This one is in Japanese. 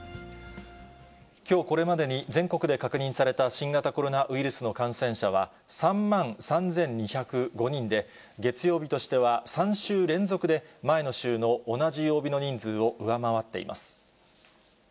きょうこれまでに、全国で確認された新型コロナウイルスの感染者は、３万３２０５人で、月曜日としては３週連続で、前の週の同じ曜日の人数を上回っています。